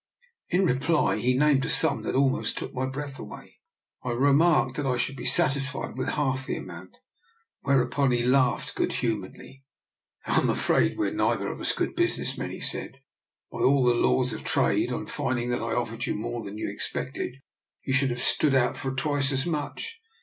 In reply he named a sum that almost took my breath away. I re marked that I should be satisfied with half the amount, whereupon he laughed good humouredly. " I'm afraid we're neither of us good busi ness men," he said. " By all the laws of trade, on finding that I offered you more than you expected, you should have stood out for twice as much.